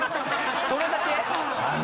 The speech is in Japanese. ・それだけ？